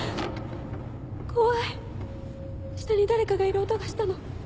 怖い下に誰かがいる音がしたの。